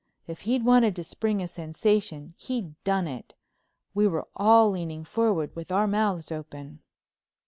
If he'd wanted to spring a sensation he'd done it. We were all leaning forward with our mouths open.